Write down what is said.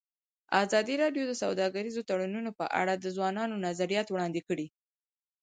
ازادي راډیو د سوداګریز تړونونه په اړه د ځوانانو نظریات وړاندې کړي.